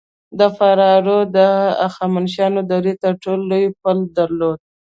د فراه رود د هخامنشي دورې تر ټولو لوی پل درلود